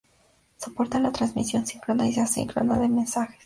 Soporta la transmisión síncrona y asíncrona de mensajes.